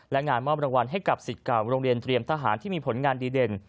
และงานมอบรางวัลให้กับสิทธิ์เก่าโรงเรียนเตรียมทหารที่มีผลงานดีเด่น